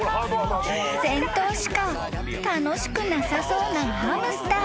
［先頭しか楽しくなさそうなハムスター］